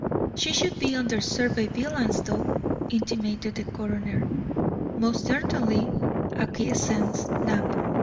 "She should be under surveillance, though," intimated the coroner. "Most certainly," acquiesced Knapp.